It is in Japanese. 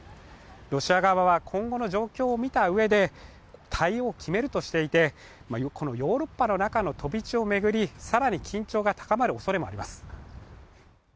ロシア側は今後の状況を見たうえで、対応を決めるとしていて、このヨーロッパの中の飛び地を巡り更に緊張が高まるおそれもあります。